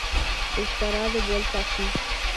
Estará de vuelta aquí"".